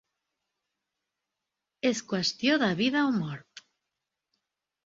És qüestió de vida o mort.